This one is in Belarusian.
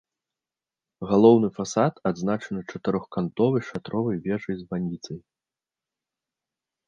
Галоўны фасад адзначаны чатырохкантовай шатровай вежай-званіцай.